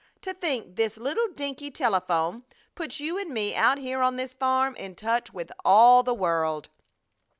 To think this little dinky telephone puts you and me out here on this farm in touch with all the world."